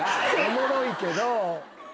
おもろいけど。